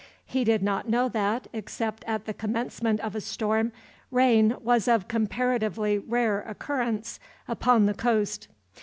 He did not know that, except at the commencement of a storm, rain was of comparatively rare occurrence upon the coast.